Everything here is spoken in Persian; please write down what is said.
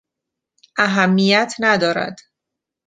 اهمیت ندارد.